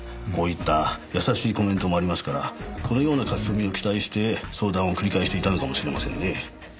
こういった優しいコメントもありますからこのような書き込みを期待して相談を繰り返していたのかもしれませんね。